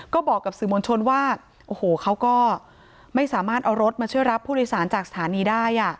ก็บอกกับสื่อมวลชนว่าโอ้โหเขาก็ไม่สามารถเอารถมาช่วยรับผู้โดยสารจากสถานีได้